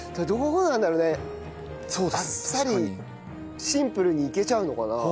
あっさりシンプルにいけちゃうのかな？